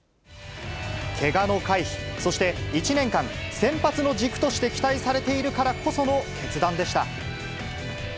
けがの回避、そして１年間、先発の軸として期待されているからこその決断でした。